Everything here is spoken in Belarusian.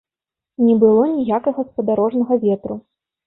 Не было ніякага спадарожнага ветру.